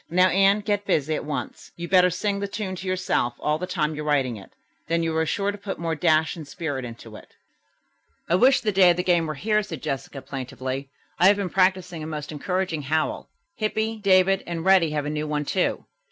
"Now, Anne, get busy at once. You'd better sing the tune to yourself all the time you're writing it, then you'll be sure to put more dash and spirit into it." "I wish the day of the game were here," said Jessica plaintively. "I have been practising a most encouraging howl. Hippy, David and Reddy have a new one, too.